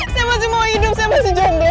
saya masih mau hidup saya masih jomblo